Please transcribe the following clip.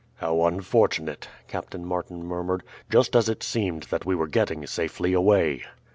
"How unfortunate," Captain Martin murmured; "just as it seemed that we were getting safely away."